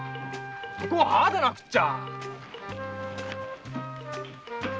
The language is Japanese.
男はああでなくっちゃ。